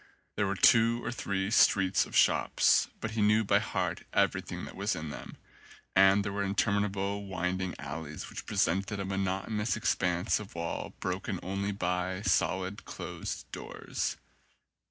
There were two or three streets of shops, but he knew by heart everything that was in them; and there were interminable winding alleys which presented a monotonous expanse of wall broken only by solid closed doors.